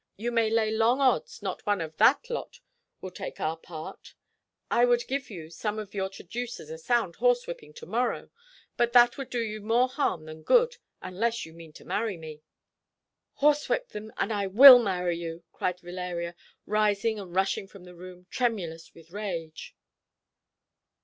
You may lay long odds not one of that lot will take our part. I would give some of your traducers a sound horsewhipping to morrow, but that would do you more harm than good, unless you mean to marry me." "Horsewhip them, and I will marry you," cried Valeria, rising and rushing from the room, tremulous with rage.